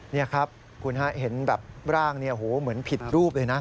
นี่ครับคุณฮะเห็นแบบร่างเหมือนผิดรูปเลยนะ